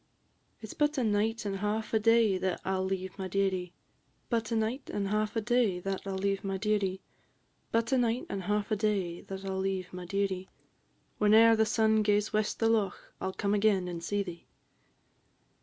"It 's but a night and hauf a day that I 'll leave my dearie; But a night and hauf a day that I 'll leave my dearie; But a night and hauf a day that I 'll leave my dearie; Whene'er the sun gaes west the loch, I 'll come again and see thee."